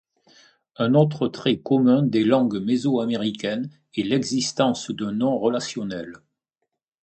Un autre trait commun des langues mésoaméricaines est l'existence de noms relationnels.